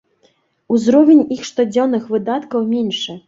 Узровень іх штодзённых выдаткаў меншы!